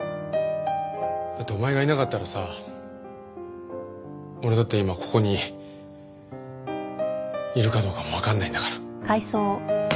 だってお前がいなかったらさ俺だって今ここにいるかどうかもわかんないんだから。